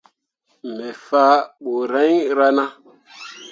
Me fah ɓuriŋ rana.